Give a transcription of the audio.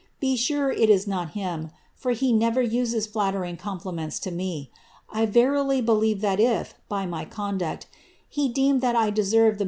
^ be sure it is not him, for he never uses flattering compliments to ne; . 1 verily believe that if, by my conduct, he deemed that I deserved the j.